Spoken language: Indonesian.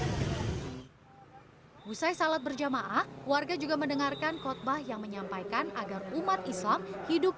selesai salat berjamaah warga juga mendengarkan khutbah yang menyampaikan agar umat islam hidup